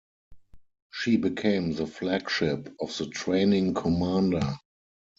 She became the Flagship of the Training Commander.